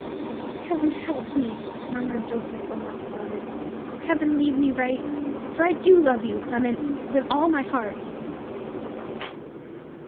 "Heaven help me!" murmured Joseph Wilmot's daughter; "Heaven lead me right! for I do love you, Clement, with all my heart."